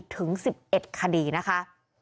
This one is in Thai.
ถึงสิบเอ็ดคดีนะคะ